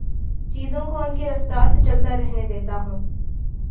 چیزوں کو ان کی رفتار سے چلتا رہنے دیتا ہوں